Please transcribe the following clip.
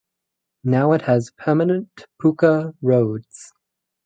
Now It has permanent pucca roads.